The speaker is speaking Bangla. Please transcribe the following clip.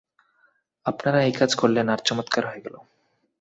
আপনারা এই কাজ করলেন, আর চমৎকার হয়ে গেল।